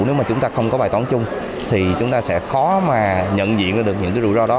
nếu mà chúng ta không có bài toán chung thì chúng ta sẽ khó mà nhận diện ra được những cái rủi ro đó